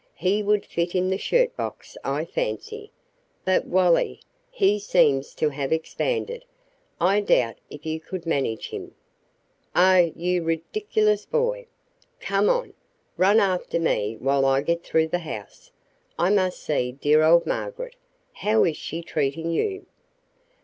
He would fit in the shirt box, I fancy. But Wallie he seems to have expanded. I doubt if you could manage him " "Oh, you ridiculous boy! Come on. Run after me while I get through the house. I must see dear old Margaret. How is she treating you?"